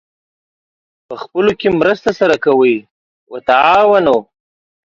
پخپلو کې مرسته سره کوئ : وتعاونوا